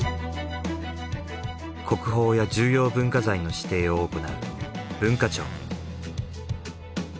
国宝や重要文化財の指定を行う文化庁。